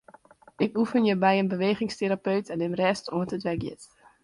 Ik oefenje by in bewegingsterapeut en nim rêst oant it wer giet.